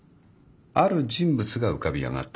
ある人物が浮かび上がった。